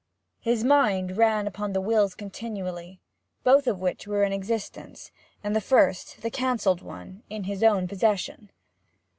His mind ran on the wills continually, both of which were in existence, and the first, the cancelled one, in his own possession.